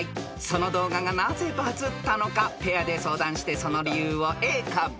その動画がなぜバズったのかペアで相談してその理由をＡかＢかでお答えください］